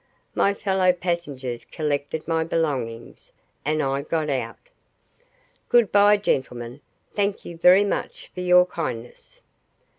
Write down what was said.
My fellow passengers collected my belongings, and I got out. "Good bye, gentlemen; thank you very much for your kindness."